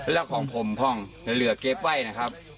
แล้วของผมพ่องเหลือเก็บไว้นะครับ